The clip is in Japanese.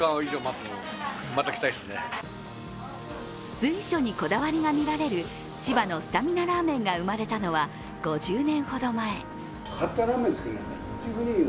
随所にこだわりが見られる千葉のスタミナラーメンが生まれたのは５０年ほど前。